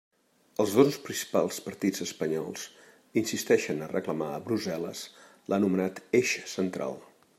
Els dos principals partits espanyols insisteixen a reclamar a Brussel·les l'anomenat eix central.